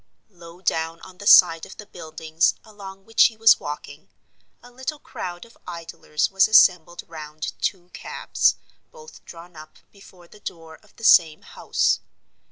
Low down on the side of the "Buildings" along which he was walking, a little crowd of idlers was assembled round two cabs, both drawn up before the door of the same house.